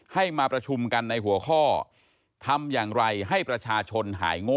ให้มาประชุมกันในหัวข้อทำอย่างไรให้ประชาชนหายโง่